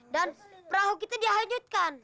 dan perahu kita dihanyutkan